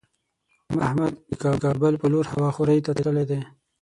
احمد د کابل په لور هوا خورۍ ته تللی دی.